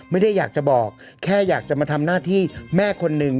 ไม่ได้อยากจะบอกแค่อยากจะมาทำหน้าที่แม่คนหนึ่ง